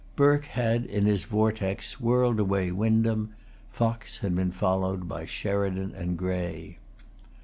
Burke had in his vortex whirled away Windham. Fox had been followed by Sheridan and Grey.